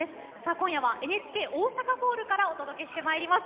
今夜はＮＨＫ大阪ホールからお届けします。